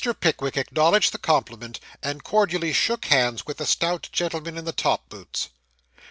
Pickwick acknowledged the compliment, and cordially shook hands with the stout gentleman in the top boots.